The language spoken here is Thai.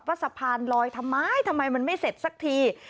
สะพานลอยทำไมทำไมมันไม่เสร็จสักที